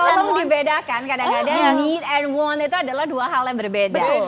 tolong dibedakan kadang kadang butuh dan ingin itu adalah dua hal yang berbeda